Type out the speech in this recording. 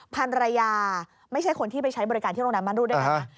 ภรรยาไม่ใช่คนที่ไปใช้บริการที่โรงแรมมั่นรูดด้วยกันนะ